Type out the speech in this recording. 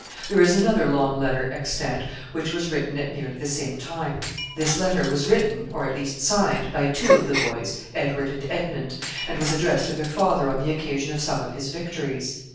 There is another long letter extant which was written at nearly the same time. This letter was written, or at least signed, by two of the boys, Edward and Edmund, and was addressed to their father on the occasion of some of his victories.